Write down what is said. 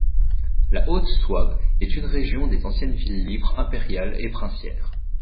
La Haute-Souabe est une région des anciennes villes libres impériales et princières.